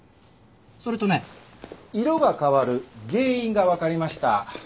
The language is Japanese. それとね色が変わる原因がわかりました。